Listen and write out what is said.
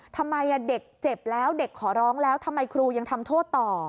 ทำไมเด็กเจ็บแล้วเด็กขอร้องแล้วทำไมครูยังทำโทษต่อ